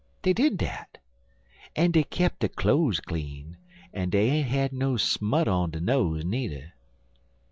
Dey did dat. En dey kep der cloze clean, en dey ain't had no smut on der nose nudder."